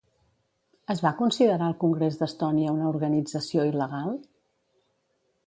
Es va considerar el Congrés d'Estònia una organització il·legal?